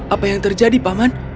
apa yang terjadi paman